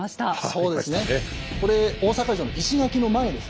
そうですね。